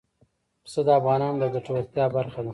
پسه د افغانانو د ګټورتیا برخه ده.